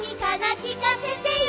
聞かせてよ！」